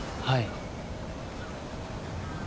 はい。